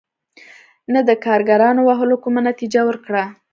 نه د کارګرانو وهلو کومه نتیجه ورکړه.